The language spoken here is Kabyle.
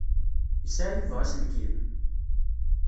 Yesɛa Yuba aselkim?